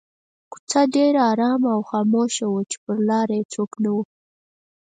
کوڅه ډېره آرامه او خاموشه وه چې پر لاره یې څوک نه وو.